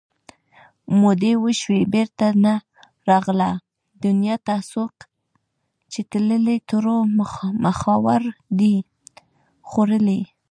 مودې وشوې بېرته نه راغله دنیا ته څوک چې تللي تورو مخاورو دي خوړلي